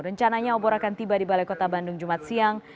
rencananya obor akan tiba di balai kota bandung jumat siang